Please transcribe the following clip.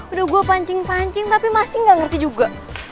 aduh gue pancing pancing tapi masih gak ngerti juga